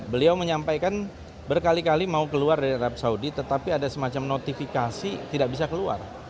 beliau menyampaikan berkali kali mau keluar dari arab saudi tetapi ada semacam notifikasi tidak bisa keluar